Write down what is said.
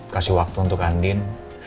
kasih waktu untuk andin